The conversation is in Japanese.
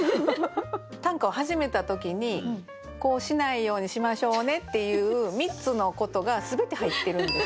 短歌を始めた時にこうしないようにしましょうねっていう３つのことが全て入ってるんです。